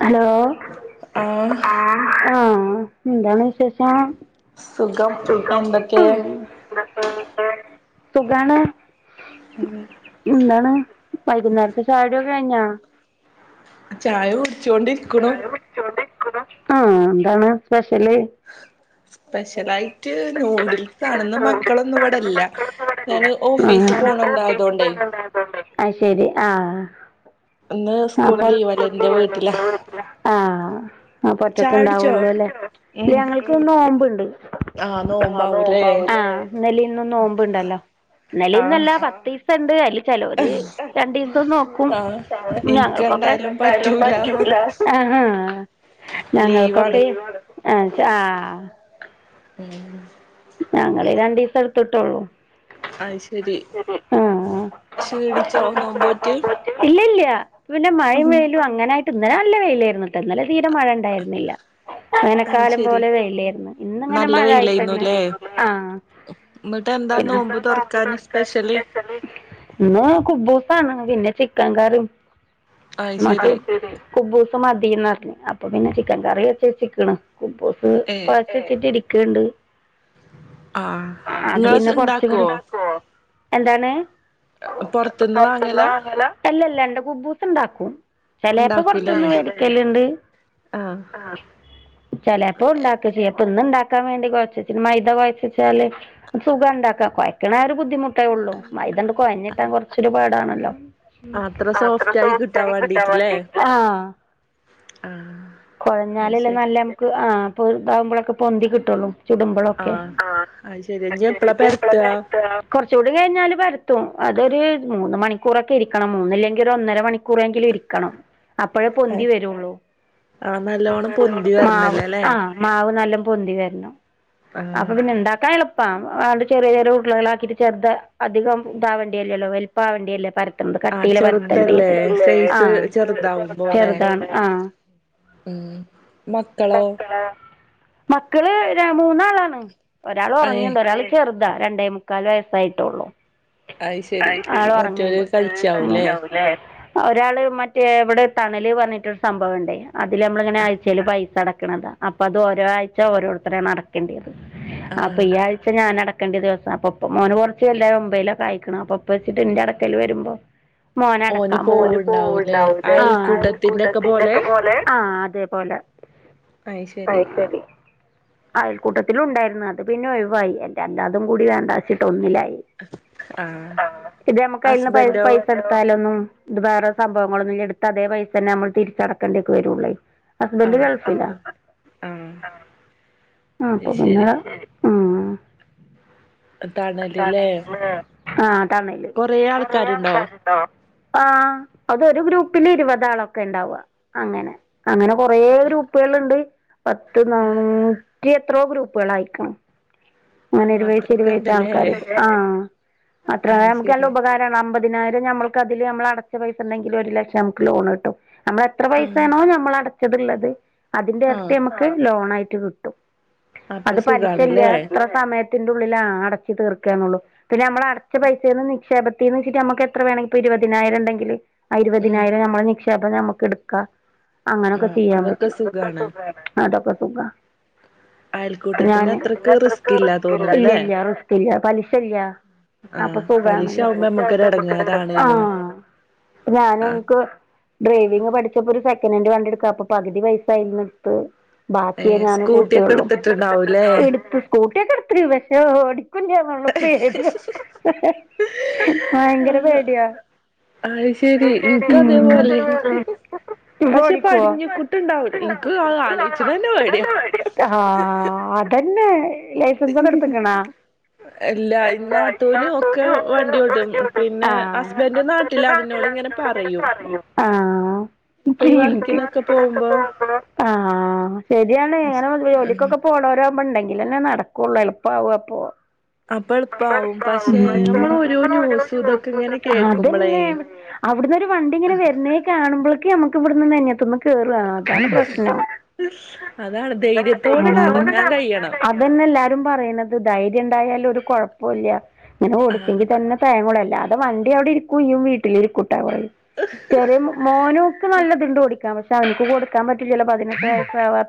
Hello ആഹ് ആ ആ ന്താണ് വിശേഷം സുഖം സുഖം എന്തൊക്കെ മ് സുഖാണ് ഉം ന്താണ് വൈകുന്നേരത്തെ ചാ കഴിഞ്ഞാ ചായ കുട്ച്കൊണ്ടിരിക്ണു ആ ന്താണ് സ്പെഷ്യല് സ്പെഷ്യലായിട്ട് നൂഡിൽസാണ് ഇന്ന് മക്കളൊന്നും ഇവടെല്ല ഞന് ഓഫീസി പോണണ്ടായതോണ്ടേ അഹ് ശരി ആ ഇന്ന് സ്കൂള് അപ്പൊ ലീവലേ ഇൻ്റെ വീട്ടിലാ ആ അപ്പോറ്റെക്ക് ചായ കുടിച്ചോ ണ്ടാവോള്ളൂ ലെ ഉം ല്യ ഞങ്ങൾക്ക് നോമ്പ്ണ്ട് ആഹ് ആ നോമ്പാവൂലേ നോബാവില്ലേ ഇനേലിം ഇന്നും നോമ്പ് ണ്ടല്ലോ ആഹ് ഇന്നലിന്നല്ല പത്തീസണ്ട് അയ്‌ല് ചേലോര് രണ്ടീസം നോക്കും ആഹ് ഞങ്ങൾക്ക ഇൻക്കെന്തായാലും പറ്റൂല [unintelligible] ആ ലീവാണ് ഞങ്ങൾക്കൊക്കെ ആ ആ [unintelligible] ഞങ്ങള് രണ്ടീ സം ട്ത്ത്ട്ടോള്ളൂ അത് ശരി ആ ആ ക്ഷീണിച്ചോ നോമ്പോറ്റ് ഇല്ല്യ ഇല്ല്യ പിന്നെ മഴയും ഉം വെയിലും അങ്ങനൊയിട്ട് ഇന്നനെ നല്ല വെയിലായിർന്നൂട്ടോ ഇന്നെലെ തീരെ മഴ ഇണ്ടായിരുന്നില്ല അത് വേനക്കാലം ശരി പോലെ വെയ്‌ലെർന്നു ഇന്നിങ്ങനെ നല്ല മഴ ആയിട്ടന്നെ വെയിലായിരുന്നുല്ലേ ആ ന്നിട്ട് എന്താ ഇന്ന് നോമ്പ് തുറക്കാന് സ്പെഷ്യല് കുബുസാണ് പിന്നെ ചിക്കം കറിം അയ് മ [unintelligible] ക്ക ശരി കുബൂസും മതി ന്ന് അപ്പ പിന്നെ ചിക്കൻ കറി വേച്ചച്ചിക്ക്ണ് കബൂസ് ഏ കൊയ്ച്ചച്ചിട്ട് ഇരിക്ണ്ട് ആഹ് അത് ഇങ്ങള് പിന്നെ കൊറച്ചും കൂടി ഇണ്ടാക്കുവോ എന്താണ് പൊറത്തുന്ന് വാങ്ങലാ അല്ലല്ല എന്റെ കുബ്ബൂസ് ണ്ടാക്കും ചേലെപ്പൊ ഇണ്ടാക്കൂലേ പോർത്ത്ന്ന് വേർത്തല്ണ്ട് ആഹ് ആ ചെ ലേപ്പോ ഉണ്ടാക്ക ചെയ്യുപ്പൊ ഇന്ന് ഉണ്ടാക്കാൻ വേണ്ടി കൊറച്ചച്ചന് മൈ ന്താ കൊയ് ചെച്ചാല് സുഖാ ഉണ്ടാക്കാൻകൊഴയ്ക്കണ ആ ഒരു ബുദ്ധിമുട്ടേ ഉള്ളൂ മൈ ങ്ങണ്ട് കൊയ്ഞ്ഞിട്ടാൻ കുറച്ച [inaudible] ണല്ലോ അത്ര സോഫ്റ്റ് ആയി കിട്ടാൻ [unintelligible] വേണ്ടീട്ടില്ലേ വേണ്ടീട്ട് ആഹ് അയ് ശരി കുഴഞ്ഞാലല്ലെനല്ല നമുക്ക് ആ അപ്പൊ ഇതാവുമ്പോഴൊക്കെ പൊന്തി കിട്ടുള്ളൂ ചുടു ആഹ് ആ അയ് ശരി ഇഞ്ഞ് കത്തി രേ എപ്പളാ ബ പെരത്താ പ്ളാപര്ത്ത കൊർ ചൂട് കഴിഞ്ഞാല് പരത്തും അതൊരു മൂന്ന് മണിക്കൂറൊക്കെ ഇരിക്കണം ചുട് കയ്ത്താലൊമൂന്നില്ലെങ്കിൽ ഒരു ഒന്നര മണിക്കൂറെങ്കിലും ഇരിക്കും [inaudible] കണം അപ്പഴേ പൊന്തി വരുള്ളൂ ആഹ് നല്ലോണം പൊന്തി മാവ് വരണല്ലേ ല്ലേ ആ മാവ് നല്ല പൊന്തി വർനം ആഹ് അപ്പൊ പിന്നെ ഇ ണ്ടാക്കാനെൾ പ്പ അണ്ട് ചെറിയ ഉർള ' ക്ളെ റക്കീട്ട് ചെറുത അധികം വെൽപ്പാവണ്ടില്ലേ വലപ്പ ആവേണ്ടിയല്ലേ പര ആഹ് എന്ത്കട്ടിയില് ചെറുതല്ലേ പരത്തേണ്ടത് ലേ അ സൈസ് ചെറുതാവുമ്പോല്ലേ ചെറുതാണ് ആ ഉം മക്കളോ മക്കള് രമൂന്നാളാണ് ഒരാൾ അയ് ഒറങ്ങിണ്ട് ഒരാൾ ചെർ ദരണ്ടേ മുക്കാല് വയസ്സായിട്ടുള്ളൂ ശരി അയ് ആളൊർങ്ങ് മറ്റോര് കളിച്ചാവൂലേ ണ്ട് ഒരാള് മറ്റേ ഇവിടെ തണല് ആ ഒരാള് ഇവടെ തണല്പറഞ്ഞിട്ടരു സംഭവം ണ്ടേ അതില് നമ്മളിങ്ങനെ ആ അയച്ചൽ പൈസ [inaudible] അടക്കണത അപ്പൊ അത് ഒരാഴ്ച ത്തടക്കണത അപ്പൊതഓരോ അടക്കണ അപ്പൊ ത്ഓരോആയ്ച ഓരോരുത്തരാണ് അ ടക്കേണ്ടത് അപ്പൊ ആഹ് ഈ ആഴ്ച ഞാൻട നക്കണ്ടിിവസ അപ്പൊപ്പ മോന് ക്കെ ക്കണ്ട്യത് അപ്പൊ പ്പം േമാന്കുറച്ച് വെല് തായ് ഒമ്പൈലോ കായ്ക്ക്ണ് അപ്പൊപ്പ വച്ചിട്ടിന്റെ അടക്കൽ വരുമ്പോ വരുമ്പോ മോനട ഓന് ക്കാമോന് പോവ്ണ്ടാവൂലേ പോവണ്ടാവലേ ആ അയൽ അയൽക്കൂട്ടത്തിന്റെക്കെ കൂട്ടത്തിന്റെ ഒക്കെ പോലെ ആ തേപോലെ അയ് ശരി [inaudible] അയൽക്കൂട്ടത്തില ഉണ്ടായിരുന്നു അയൽകൂട്ടത്തിലും ഇണ്ടായ് നിഅത് പിന്നെ ഒഴിവായി അല് രണ്ടാതും കൂടി വേണ്ടച്ചിട്ട് ഒന്നിലായി ആഹ് അഇത് നമക്ക് അതിൽന്ന് ഹസ്ബന്റോ പൈപൈസ എടുത്താല ന്നും ഇത് വേറെ സംഭവങ്ങളൊന്നും എടുത്ത് അതേ പൈസ തന്നെ നമ്മൾ തിരിച്ചടക്കേണ്ടി ഒക്കെ വരുൂല്ലേ അല് ആഹ് കേളപ്പില്ല അപ്പൊ ആഹ് അത് ആപ്പൊ പിന്ന ശരി ത തണല്ല്ലേ ണലിലെആതണല് കൊറേ ആൾക്കാരുണ്ടോ കൊറവാക്ണ്ടൊ ആ് അതൊരു ഗ്രൂപ്പില് ഇരുപതാളൊക്കെ ഉണ്ടാവുക അങ്ങനെ അങ്ങനെ കൊറേ അങ്ങനെ ഗ്രൂപ്പുകള്ണ്ട് പത്ത് നാനൂററി എത്രോ ഗ്രൂപ്പുകൾായിണം ആഹ് അങ്ങനിരുപേച്ചി അത്രൊക്കെ രുപേച്ചആൾ ഇണ്ട്ല്ലേ ആ അത്ര അത് നമുക്കല്ല ശരി ഉപകാരാണ് അമ്പത് പതിനായിരം അതില് നമ്മൾ അടച്ച പൈസ ഉണ്ടെങ്കിൽ ഒരു ലക്ഷം നമുക്ക് ലോൺ കിട്ടും നമ്മൾ എത്ര ആഹ് പൈസയാണോ നമ്മൾ അടച്ചത്ള്ളത് അതിന്റെ ആഹ് അരത്തെ നമുക്ക് ലോണ ആായിട്ട് കിട്ടും [inaudible] [inaudible] അപ്പൊ അത് പലിശല്ല സുഖാണ്ല്ലേ ത്ര സമയത്തിന്റെ ഉള്ളില അട തീർക്കന്നുള്ളുന്ന നമ്മ അടച്ച ച്ച് തീർക്കാന്നുള്ളു പിന്നെ നമ്മളടച്ചപൈസേ നു നിക്ഷേപത്തി ന്ന് ച്ചിട്ട് നമുക്ക് എത്ര വേണമെങ്കിലും ഇരുപതിനായിര ണ്ടെങ്കില് ഇപ്പോ ഉം ഇരുപതിനായിരം ഉണ്ടെങ്കില് ആഇരുപതിനായിരം നിക്ഷേപം നമുക്ക് എടുക്ക അങ്ങനൊക്കെ ആഹ് ചെയ്യാൻ അതൊക്കെ പറ്റും സുഖാണ് അതൊക്കെ സുഖം അയൽക്കൂട്ടത്തിന്റെ അത്രക്ക് റിസ്ക് ഇല്ല ഞാന്ഇല്ല തോന്ന്ണ്ല്ലേ ഇല്ല റിസ് പലിശല്ല അപ്പൊ ആഹ് പലിശ സുഖണല്ലോ ആവുമ്പോ നമ്മക്കൊരു എടങ്ങേറാണേനും ആഹ [inaudible] ആഹ് ഞാനിൻക്ക് ഡ്രൈവിങ് പഠിച്ചപ്പോ സെക്കനൻഡ് വണ്ടിടുക്കുക അപ്പൊ പകുതി പൈസ ദിൽന്ട്യത്ത് ഏ ബാക്കിയേ ഞാനും കൂട്ടിയെ സ്കൂട്ടിയൊക്കെ ഉള്ളു എടുത്തിട്ടുണ്ടാവൂല്ലേ എടുത്ത് സ്കൂട്ടിയക്കെ എടുത്തി പക്ഷേ ഓ കുഞ്ഞാാനള്ളപ്പേട ഭയങ്കര ആഹ് പേടിയ അത് ശെരി ശരി ഇൻക്ക് അതേപോലെയാണ് എന്തിനപേടി ഇജ്ജ് പക്ഷെ ഓടിക്കോ പടിഞ്ഞിക്കുട്ടുണ്ടാവൂലേ ഇൻക്ക് അത് ആലോചിച്ച്ണന്നെ പേടിയാ ആ അതൻ ന്നെ ലൈസൻസൊക്കെ എടുത്തക്കണാ എല്ല നാട്ടൂനും ഒക്കെ വണ്ടിോടും പിന്നെ ആ ഹസ്ബൻഡ് നാട്ടിലാാണ്ോട് ഇങ്ങനെ പറയും ഇപ്പൊ ഈ വർക്കിനൊക്കെ ബസിലൊക്ക പോകുമ്പോ പോകുന്ന മ്പളോആ ശരിയാണെഇങ്ങനെ ഉം ജോലിക്കൊക്കെ പോണ ു ഉണ്ടെങ്കിൽന്നെ നടക്കുവുള്ളൂ എൽപ്പാകുംഅപ്പൊ അപ്പൊ എളുപ്പാവും പക്ഷെ പ്പ നമ്മൾ ഓരോ ന്യൂസും ഇതൊക്കെ ഇങ്ങനെ കേൾക്കുമ്പളേ അവിടുന്നൊരു വണ്ടിങ്ങനെ വരുന്നേ കാണുമ്പോഴേക്ക നമുക്ക് ഇവിടുന്ന്ത്തൊന്ന് കേ ആതനപട്ടന അതാണ് ധൈര്യത്തോടണ്ട് എറങ്ങാൻ കഴിയണം അതന്നെ എല്ലും പറയുന്നത് ായാല കുഴപ്പല്ല ഇങ്ങനെ ടിച്ചെങ്കി ആഹ് തന്നെ തയങ്ങളല്ല ല്ല അത വണ്ടി അവിടെ ഇരിക്കയും വീട്ടിൽിരിക്ക ചെറിയ മോനക്ക് നല്ലത്ണ്ട പടിക്കാം പക്ഷെ അവനിക്ക് കൊടുക്കാൻ പറ്റും ചിലപ്പോ അതിനക്ക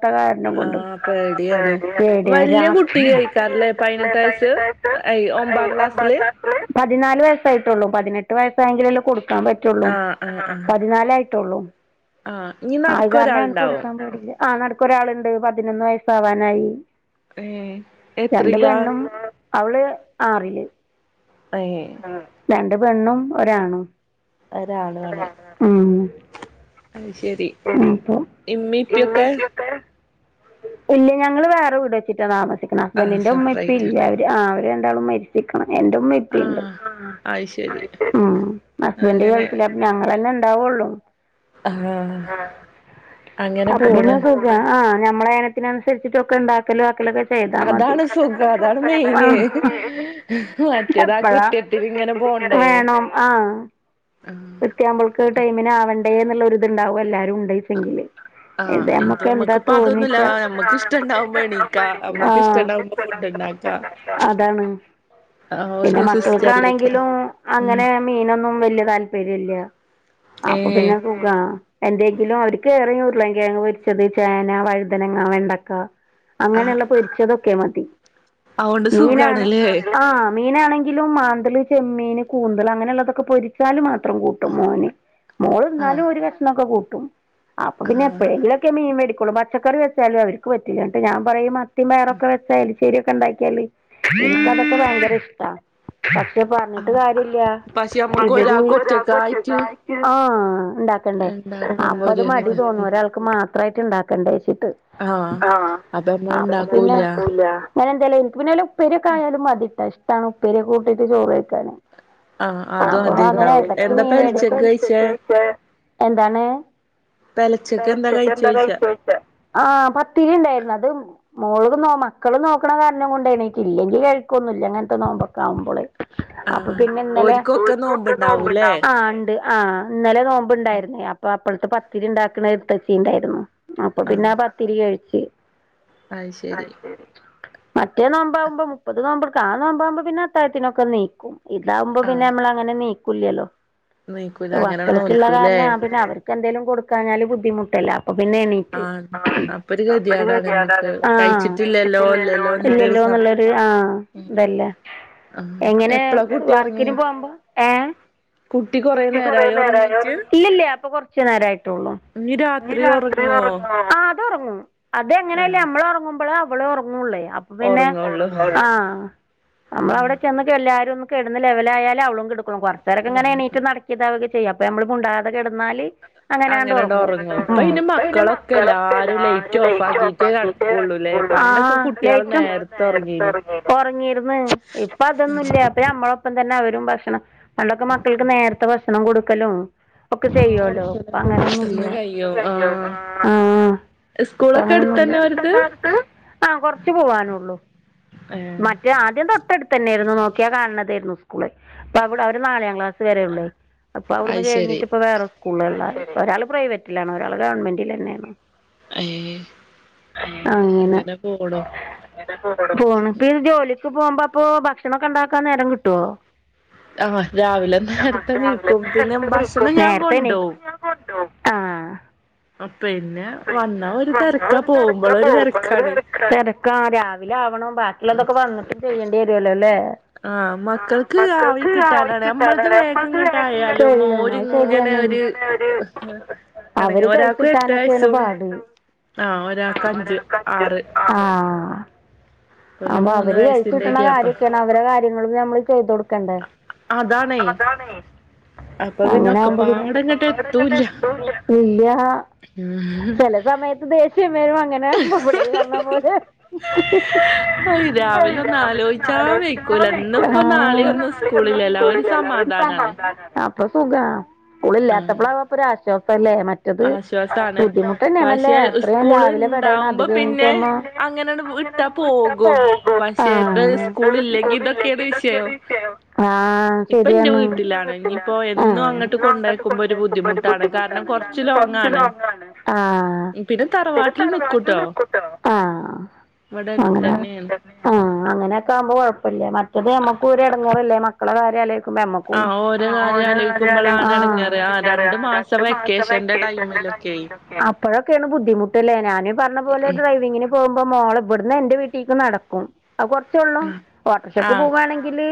കാരന കൊണ്ട് ആഹ് പേടിയാണ് പടിയ വല്യ കുട്ടി രാത്രി കഴിക്കാറില്ലേ പതിനെട്ട് പന വയസ്സ് ചച്ച അയ് ഒമ്പാം ക്ലാസ്സില് ഒംബ ്ലാസ് പ്ലസ് പതിനാല് വയസായിട്ടുള്ളൂ പതിനെട്ട് വയസ്സായെങ്കിലല്ലേ കൊടുക്കാൻ പറ്റുള്ളൂ ആഹ് ആഹ് ആഹ് പതിനാല ആഹ് ഇനി നടുക്ക് ാര ഒരാളുണ്ടാവും കൊടുക്കാൻ പടില്ല ഒരാളുണ്ട് പതിനൊന്ന് വയസ്സ ആാവാനായി ഏ എത്രല്ല വെണ്ണും അവള് ആറില് ഏഹ് ര പെണ്ണും ഒരാണ ഒരാള് ആണ് ഉ അത് ശരി പ്പ ഇമ്മി ഇപ്പിയൊക്കെ ഇിപ്പക്ക ഇല്ല ഞങ്ങള് വേറെ വീടെ വെച്ചിട്ടാ താമസിക്കുന്നത് ആഹ് ഹസ്ബൻഡിന്റെ ഉമ്മ ഇപ്പ സെപ്പറേറ്റാ ഇല്ല അവര് ആ രണ്ടാളും മരിച്ചിക്കണം എന്റെ ഉമ്മ ഇപ്പുണ്ട് ആഹ് അത് ശരി ഉ ഹസ്ബന്ഡ അങ്ങനെ കേൾഫില ഞങ്ങന്നെ ള്ള അോ ആഹ് അങ്ങനെ പോണ് ആ ഞമ്മള അനത്തിനുസരിച്ചിട്ടൊക്കെ ഉണ്ടാക്കല ആക്കലൊക്കെ ചെയ്താൽ മതി അതാണ് സുഖം അതാണ് മെയിന് മറ്റേത് ആ ചപ്പള കൃത്യത്തിന് ഇങ്ങനെ പോണ്ടേ വേണം ആ ആ ആഹ് വൃത്തിയാുമ്പോൾക്ക് ടൈമിന് ആവണ്ടേ എന്നുള്ളരിത്ണ്ടാവും എല്ലാരും ഉണ്ടച്ചെങ്കില് ആഹ് ഇത് നമ്മക്ക് എന്താ നമ്മക്കിപ്പ അതൊന്നുല്ല തോന്നട്ട് നമ്മക്ക് ഇഷ്ടണ്ടാവുമ്പോ എണീക്കാ നമ്മക്ക് ആഹ ഇഷ്ടണ്ടാവുമ്പോ ഫുഡ് ഉണ്ടാക്കാ അതാണ് ആ പിന്നെ ഒരു സിസ്റ്ററിലേക്കാരം മക്കൾക്കാണെങ്കിലും ഉം അങ്ങനെ മീനൊന്നും വല്യ താല്പര്യ ഇല്ല അപ്പൊ ഏഹ് പിന്നെ കുക എന്തെങ്കിലും അവർക്ക്േറെ ൂറലാം കേങ്ങ് പൊരിച്ചത് ചേന വഴുതനങ്ങ വെണ്ടക്ക ആഹ് അങ്ങനെയുള്ള പൊരിച്ചതൊക്കെ മ അതൊണ്ട് മീനാണ് സുഖാണല്ലേ ആ മീനാണെങ്കിലും മാന്ന്തല് ചെമ്മീന് കൂന്തൽ അങ്ങനെയുള്ളതൊക്കെ പൊരിച്ചാല് മാത്രം അത്രം കൂട്ടും മോന് ആഹ് മോൾന്നാലും ഒരു കഷണംമൊക്കെ കൂട്ടും അപ്പൊ പിന്നെ ആഹ് എഴലൊക്കെ മീൻേടിക്കോള്ളും പച്ചക്കറി വെച്ചാലും അവർക്ക് പറ്റില്ലുണ്ട് ഞാ പറയും മത്തിം പേറൊക്കെ തലശ്ശേരി ഒക്കെ ഉണ്ടാക്കിയാല് ആഹ് ഇരിക്കാനൊക്കെ ഭയങ്കര ഇഷ്ട പക്ഷെ പറഞ്ഞിട്ട് ആഹ് കാര്യില്ല പക്ഷെ നമ്മുക്ക് ഒരാൾക്ക് ഒറ്റക്കായിട്ട് ആഹ ഉണ്ടാക്കണ്ടേ ഉണ്ടാക്കുമ്പോ അപ്പൊ അത് ഒരു മടി തോന്നും ഒരാൾക്ക് മാത്രമായിട്ട് ഇണ്ടാക്കേണ്ട ആഹ് ആ അപ്പൊ നമ്മൾ ആ പിന്നെ ഇണ്ടാക്കൂല അങ്ങനെന്തായാലും എനിക്ക് പിന്നാലെ ഉപ്പേരിക്കായാലും മതി ഇട്ടാ ഇഷ്ട ഉപ്പരിയ കൂട്ടയിട്ട് ചോറ് വെക്കാൻ ആഹ് അതും അപ്പൊ അങ്ങനെ അതിണ്ടാവും ഇ എന്താപ്പ പെലച്ചക്ക് കഴിച്ചേ മീൻഴ എന്താണ് പെലച്ചക്ക് എന്താ കഴിച്ചോയ്ച്ച ആ പത്തി ഉണ്ടായിരുന്നു അത മോള് നോ മക്കള് നോക്കണ കാരണം കൊണ്ട്ണേക്ക് ഇല്ലെങ്കിൽ കഴിക്കൊന്നുംല്ല ങ്ങനത്തെ നോമ്പൊക്കെ ആവുമ്പോള് അപ്പൊ ആഹ് പിന്നെ ഇന്നലെ ഓര്ക്കൊക്കെ നോമ്പുണ്ടാവൂലേ ആ ഉണ്ട് ആഹ് ഇന്നലെ നോമ്പ്ണ്ടായിരുന്നേ അപ്പ അപ്പഴത്തെ പത്തിരി ഉണ്ടാക്കണത്തച്ചീണ്ടായിരുന്നു അപ്പൊ പിന്നെ പത്തിരി കഴിച്ചു ആഹ ശരി മറ്റേ നോമ്പാവകുമ്പോ മുപ്പത് നോമ്പടുക്കും ആ നോമ്പാവകുമ്പോ പിന്നെ അത്തായത്തിനൊക്കെ നീക്കും ഇതാവുമ്പോ പിന്നെ ആഹ് നമ്മള അങ്ങനെ നീക്കൂല്ലല്ലോ നീക്കൂല അങ്ങനെയാണ് മക്കളൊക്കെ ഉള്ള നോൽക്കൂല്ലേ കാരണം പിന്നെ അവർക്ക് എന്തേങ്കലും കൊടുക്കാഞ്ഞാല് ബുദ്ധിമുട്ടല്ല പിന്നെ എണീറ്റ് ആഹ് ആ അപ്പൊ ഒരു അപ്പൊരു ഗതികേടാണ് നമ്മക്ക് കേതിയെടാണല്ലേ. കഴിച്ചിട്ടില്ലല്ലോ എന്നുള്ളൊരു ഇല്ലല്ലോ സ നുള്ളരു ആഹ ഇതല്ലേ. ആഹ് എങ്ങനെ എപ്പളാ കുട്ടി വർക്കിനു ഒറങ്ങിയ പോകുമ്പോ ഏ. കുട്ടി കൊറേ നേരായോ ഒറങ്ങീട്ട് ല്ല ല്ല്യ ഇപ്പൊ കൊറച്ച് നേരായിട്ടൊള്ളു ഇനി ഞ്ഞി രാത്രി. ത് ഒറങ്ങുവോ ഒറങ്ങോ? ആ അത്ഒറങ്ങും അത എങ്ങനെയല്ലേ ആഹ് നമ്മള ഒറങ്ങുമ്പളെ അവള് ഒറങ്ങോള്ളെ. അപ്പൊ പിന്നെ ഒറങ്ങുള്ളൂ ഒറങ്ങോള്ളൂ ആഹ നമ്മളവിടെ ചെന്നക്ക എല്ലരും ഒന്ന്. കെടന്ന് ലെവലായാലേ അവളുംകേടുക്കോള്ളു കൊറച്ച് നേരക്കെങ്ങനെ എണീറ്റ് നടക്കീം ദവീമൊക്ക ചെ ചെയ്യാം അപ്പൊ യമ്മള് മുണ്ടാതെ കെടന്നാല്. അങ്ങനെ അങ്ങട് അങ്ങനെണ്ട് ഒറങ്ങും അങ്ങനെ അങ്ങട് ഇപ്പ ഒറങ്ങും ഇനി ഇപ്പൊ പിന്നെ മക്കളൊക്കെ മക്കളൊക്ക എല്ലാരും ഓഫ് ലൈറ്റ് ആക്കിട്ടേ ഓഫാകീറ്റെ കടക്കുള്ളൂല്ലേ കടക്കൊള്ളൂ. പണ്ടൊക്കെ ആഹ് കുട്ടികള് ലേറ്റുംകുട്ടിയാള് നേരത്തെ ഒറങ്ങീനു നേരത്തെ ഒറങ്ങീർന്ന് ഇപ്പ അതൊന്നുംല്ല ഇപ്പൊ നമ്മളൊപ്പം തന്നെ. അവരും ഭക്ഷണം പണ്ടൊക്കെ മക്കൾക്ക് നേരത്തെ ഭക്ഷണം കൊടുക്കലും. ഒക്കെ ആ ചെയ്യല്ലോ? ഇപ്പ ഒറക്കലൊക്കെ അങ്ങനെൊന്നുല്ല. പെട്ടെന്ന് ഒക്കെ കഴിയും ചെയ്യോലോ? ആഹ് അ ആ. സ്കൂളൊക്കെ അങ്ങനെ ഒന്നുല്ല. അടുത്തന്നെ അവരത് എടുത്തന്നെ അനക്ക് ആഹ് കൊറച്ച് പോവാനൊള്ളു. ഏഹ് മറ്റേ ആദ്യം തൊട്ടാട്തന്നെർന്നു നോക്കിയാൽ കാണുന്നതേർന്നു. അപ്പ അവിടെ അവര് നാലാം ക്ലാസ് വരെയൊള്ളെ അപ്പ അവിടന്ന് അത് ശരി കഴിഞ്ഞിട്ട് ഇപ്പ വേറെ സ്കൂളാ ള്ളെ. ഒരാൾ പ്രൈവറ്റിലണ് ഒരാൾ ഗവൺമെന്റിലെന്നെണ്. അ യേ അങ്ങനെ. അങ്ങനെ പോണെടോ പിന്നെ ജോലിക്ക് ക്ക് പോകുമ്പോപ്പോ ഭക്ഷണക്കെ ണ്ടാക്കാൻ നേരം കിട്ടോ. ആഹ് രാവിലെ [unintelligible] നേരത്തെ നീക്കും പിന്നെ നേരത്തെ ഭക്ഷണം ണീക്കും ഞാൻ നേരത്തെ ണീക്കും. ഒ ആഹ് അ പ്പിന്നെ വന്നാ ഒരു തെരക്കാ പോവുമ്പള്. പോവുംമ്പള് ഒരു തെരക്കാ. തെരക്കാ രാവിലെ ആവണം ബാക്കിയുള്ളതൊക്കെ വന്നിട്ട് ചെയ്യണ്ടി ചെയ്യേണ്ടി വരുല്ലോല്ലേ?. ആ മക്കൾക്ക് ആവി കിട്ടാനാണ് നമ്മളത് വേഗങ്ങട്ട് ആയാലും കഴിയും അത് ഓരിങ്ങനെ ശരിയാണ് ഒരു ക്ക്‌ അവര് എടേങ്ങേറ് ഒരാൾക്ക് എട്ട് കഴിച്ചിട്ടൊക്കെയാണ് വയസ്സും പാട് ആ ഒരാൾ അഞ്ച് ആറ്. ആ ഓല് അപ്പൊ മൂന്ന് അവര് വയസ്സിന്റെ കഴിച്ചട്ടണ ഗ്യാപ്പാ കാര്യൊകേണ് അവരുടെ കാര്യങ്ങളെക്കെ നമ്മള് ചെയ്ത കൊടുക്ക ക്കണ്ടേ അതാണേ അതാണെ. അപ്പൊ പിന്നെ അങ്ങനെ ആവുമ്പോ പിന്നെ, ഒക്കപ്പാടെ ഇങ്ങട്ട് ഒക്കപ്പാടെ എത്തൂല്ല എത്തൂല. ഇല്ലാ. ഉം ചെല സമയത്ത് ദേശ്യം ങ്ങനെ മ്പോ ളി പറഞ്ഞ പോലെ, ഇ ഹ് അയ് ഹ ഒന്ന് രാവിലെ ആലോചിച്ചാ നാലെ ഇവട്തീങ്ങൾ വെയ്ക്കൂല ണീക്കും. ഇന്നിപ്പോ ആഹ്! നാളെയും പിന്നെപ്പോ ഒന്നും നാളെ ന്നും സ്കൂളില്ലല്ലോ സ്കൂളിലല്ലോഅ ഒരു സമാധാനാണ് സമാധനാണ്. ആപ്പ് ഇപ്പോ സൂഖാ ആഹ് സ്കൂളില്ലാത്തപ്പളാ പൊരാ ആശ്വാസാണ്. തന്നെയാണല്ലേ പഷെ സ് എത്രയും സ്കൂൾ രാവിലെ പെടയണം അത് ഉണ്ടാവുമ്പോ കഴിഞ്ഞിട്ട് പിന്നെ അമ്മ അങ്ങനെ ണ് വിട്ടാ പോകും. ആ പക്ഷെ ത് സ് സ്കൂളല്ലെങ്കി ഇതൊക്കെണ് വിഷയോ ആ ഇപ്പ ന്റെ ശരിയാണ് വീട്ടിലാണ് ഞ്ഞിപ്പോ ആ എന്നും അങ്ങ് അങ്ങട്ട് കൊണ്ടക്കുമ്പോ ഒരു ബുദ്ധിമുട്ടാണ് കാരണം കുറച് കൊറച്ച് ലോങ്ങാണ്. ആ പിന്നെ തറവാട്ടിൽ നിക്കുട്ടോ. ആ ഇവിടെ അങ്ങനെ അടുത്തന്നെയാണ് ആ. ആ അനൊക്കെ ആവുമ്പോ കൊഴപ്പല്ല. മറ്റേത് നമ്മക്കും ഒരെടങ്ങറല്ലേ മക്കളെ കാര്യ ആലോയിക്കുമ്പ ആ ഓരോ കാര്യം ആലോയിക്കുമ്പളാണ് ആ. എടങ്ങേറ് ആ രണ്ടു മാസം വെക്കേഷന്റെ ടൈമില് ലോ ക്കെ. ക്കെണ് ബുദ്ധിമുട്ട് ലെ? ഞാനീ പറഞ്ഞ പോലെ ഡ്രൈവിങ്ങിന് പോകുമ്പോ മോളെ ഇവിടുന്ന് എന്റെ വീട്ടീക്ക് നടക്കും. അ കുറചൊള്ളു ആഹ് ഓട്ടോർശക്ക് ആഹ് പോവാണെങ്കില്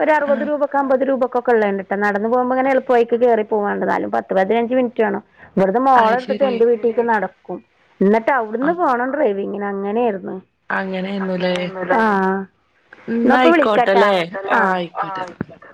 ഒരു അറുപത് ആഹ് രൂപക്ക് അമ്പത് രൂപക്ക്. ഒക്കെ ഉള്ള ഉണ്ട്ട്ട നടന്ന് പോകുമ്പോ ങ്ങനെ എളുപ്പ വയിക്ക് കയറി പോവാണ്ട് ന്നാലും പത്ത് പതിനഞ്ച് മിനിറ്റ് വേണം. വട്ന്ന് അത് മോളെ എടുത്തിട്ട് ശരി എന്റെ വീട്ടീക്ക് നടക്കും. ന്നിട്ട് അവിടുന്ന് പോണം ഡ്രൈവിങ്ങിന് അങ്ങനെർന്ന്. അങ്ങനെ അ ആയിരുന്നുല്ലേ അങ്ങനെന്നു ലെ? ആ. എന്നാ ന്നപ്പ വിളിക്കാട്ടാ, ആയിക്കോട്ടല്ലേ വെച്ചോട്ടേലെ അ ആഹ് ആയിക്കോട്ടെന്നാ ആയിക്കോട്ടെ.